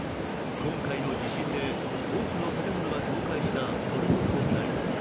今回の地震で、多くの建物が倒壊したトルコ国内。